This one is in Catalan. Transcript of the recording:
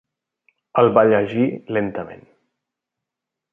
El va llegir lentament.